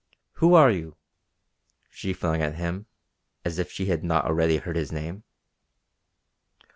"Who are you?" she flung at him, as if she had not already heard his name.